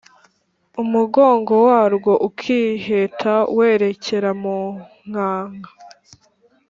umugongo warwo ukiheta werekera mu nkanka.